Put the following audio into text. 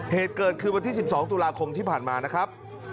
เหตุเกิดคือวันที่๑๒ตุลาคมที่ผ่านมานะครับ